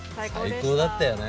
最高だったよね